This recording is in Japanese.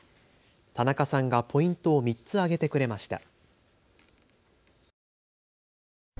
田中さんがポイントを３つ上げてくれました。